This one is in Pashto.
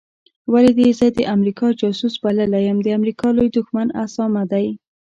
ولي دي زه د امریکا جاسوس بللی یم د امریکا لوی دښمن اسامه دی